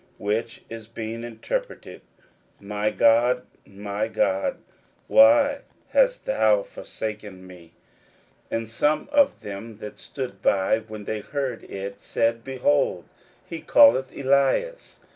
which is, being interpreted, My God, my God, why hast thou forsaken me? 41:015:035 And some of them that stood by, when they heard it, said, Behold, he calleth Elias.